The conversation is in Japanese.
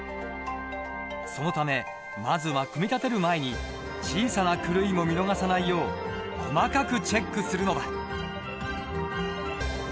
そのためまずは組み立てる前に小さな狂いも見逃さないよう細かくチェックするのだ。